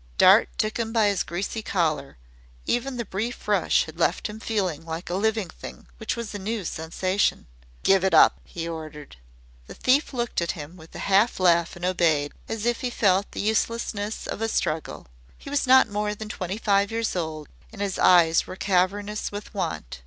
Dart took him by his greasy collar. Even the brief rush had left him feeling like a living thing which was a new sensation. "Give it up," he ordered. The thief looked at him with a half laugh and obeyed, as if he felt the uselessness of a struggle. He was not more than twenty five years old, and his eyes were cavernous with want.